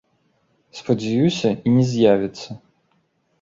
Спадзяюся, і не з'явіцца.